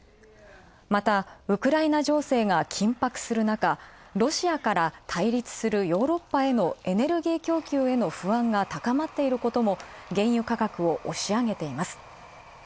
また、ウクライナ情勢が緊迫するなか、ロシアから対立するヨーロッパへのエネルギー供給への不安が高まっていることも原油価格を押し上げています。